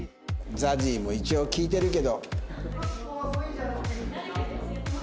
ＺＡＺＹも一応聞いてるけど。